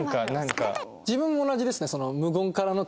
自分も同じですね。